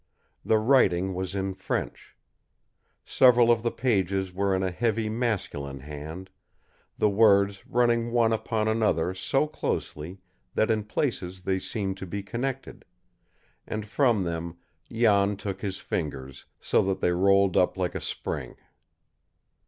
The writing was in French. Several of the pages were in a heavy masculine hand, the words running one upon another so closely that in places they seemed to be connected; and from them Jan took his fingers, so that they rolled up like a spring.